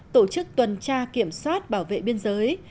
tổ chức tuần tra kiểm soát bảo vệ biên giới